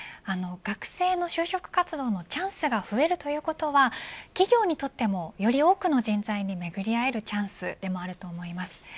学生の就職活動のチャンスが増えるということは企業にとってもより多くの人材にめぐり合えるチャンスでもあると思います。